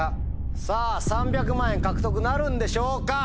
さぁ３００万円獲得なるんでしょうか？